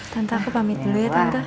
tante aku pamit dulu ya tante